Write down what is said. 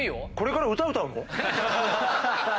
これから歌歌うの？